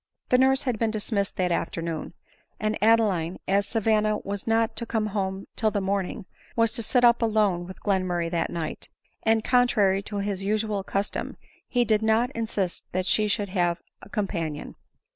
The nurse had been dismissed that afternoon ; and Adeline, as Savanna was not to come home till the morning, was to sit up alone with Glenmurray that night; and, contrary to his usual custom, he did not insist that she should have a companion.